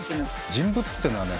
人物っていうのはね